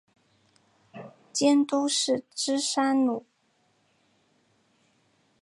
监督是芝山努。